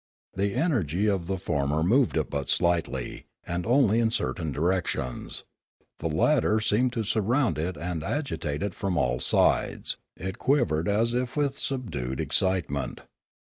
The energy of the former moved it but slightly, and only in certain directions; the latter seemed to surround it and agitate it from all sides; it quivered as if with subdued excite ment.